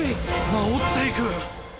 治っていく！